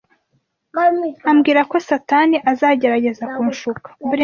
ambwira ko Satani azagerageza kunshuka